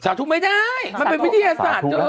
สาธุไม่ได้มันเป็นวิทยาสาธุ